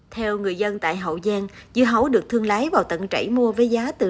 theo người dân tại hậu giang dưa hấu được thương lái vào tận trảy mua với giá từ năm đồng